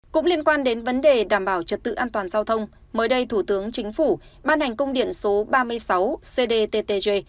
cũng liên quan đến vấn đề đảm bảo trật tự an toàn giao thông mới đây thủ tướng chính phủ ban hành công điện số ba mươi sáu cdttg